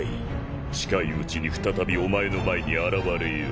近いうちに再びお前の前に現れよう。